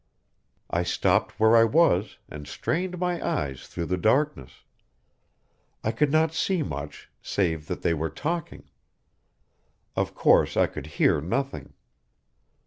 I stopped where I was and strained my eyes through the darkness "I could not see much save that they were talking. Of course I could hear nothing.